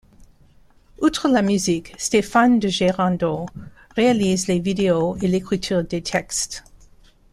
Outre la musique, Stéphane de Gérando réalise les vidéos et l'écriture des textes.